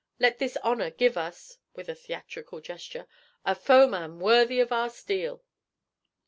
Let his honour give us,' with a theatrical gesture, 'a foeman worthy of our steel.'